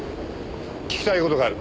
聞きたい事がある。